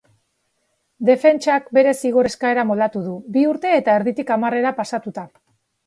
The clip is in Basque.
Defentsak bere zigor-eskaera moldatu du, bi urte eta erditik hamarrera pasatuta.